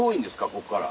ここから。